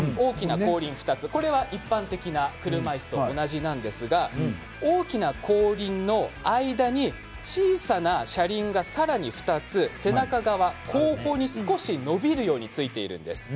これは一般的な車いすと同じなんですが大きな後輪の間に小さな車輪がさらに２つ背中側後方に少し伸びるようについているんです。